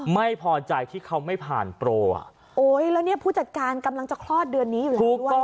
ไม่พอใจที่เขาไม่ผ่านโปรอ่ะโอ้ยแล้วเนี่ยผู้จัดการกำลังจะคลอดเดือนนี้อยู่แล้วถูกต้อง